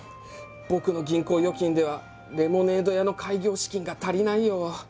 僕の銀行預金ではレモネード屋の開業資金が足りないよ。